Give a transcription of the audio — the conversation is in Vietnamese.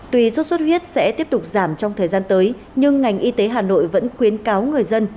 tuy sốt xuất huyết sẽ tiếp tục giảm trong thời gian tới nhưng ngành y tế hà nội vẫn khuyến cáo người dân